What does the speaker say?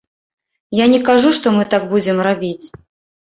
Я не кажу, што мы так будзем рабіць.